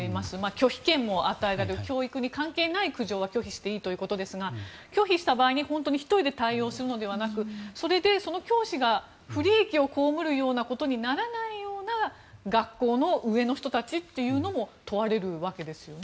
拒否権も与えられる教育に関係ない苦情は拒否していいということですが拒否した場合に本当に１人で対応するのではなくそれで、その教師が不利益を被るようなことにならないような学校の上の人たちというのも問われるわけですよね。